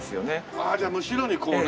ああじゃあむしろにこうね。